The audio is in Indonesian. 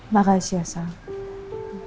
makasih ya sam